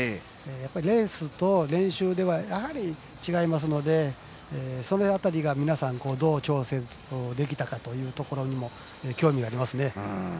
レースと練習ではやはり違いますのでその辺りが皆さんどう調整できたかというところにも興味がありますね。